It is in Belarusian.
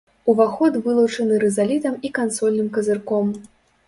Уваход вылучаны рызалітам і кансольным казырком.